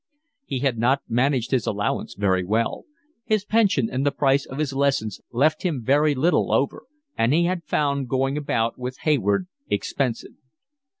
He had not managed his allowance very well. His pension and the price of his lessons left him very little over, and he had found going about with Hayward expensive.